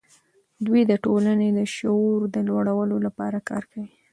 دوی د ټولنې د شعور د لوړولو لپاره کار کوي.